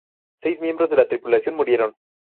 Seis miembros de la tripulación murieron.